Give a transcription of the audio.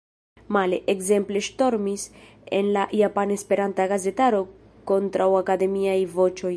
Male – ekzemple ŝtormis en la japana esperanta gazetaro kontraŭakademiaj voĉoj.